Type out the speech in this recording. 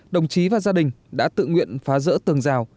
đồng chí và gia đình đã tự nguyện phá rỡ tường rào